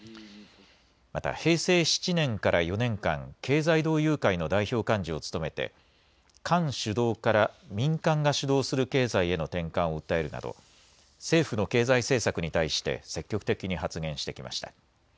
また平成７年から４年間、経済同友会の代表幹事を務めて官主導から民間が主導する経済への転換を訴えるなど政府の経済政策に対して積極的に発言してきました。